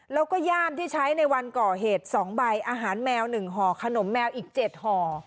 แล้วก็ย่ามที่ใช้ในวันก่อเหตุ๒ใบอาหารแมว๑ห่อขนมแมวอีก๗ห่อ